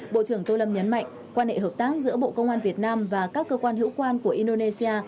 bộ trưởng tô lâm nhấn mạnh quan hệ hợp tác giữa bộ công an việt nam và các cơ quan hữu quan của indonesia